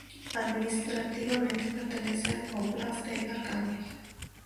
Administrativamente, pertenece al Óblast de Arcángel.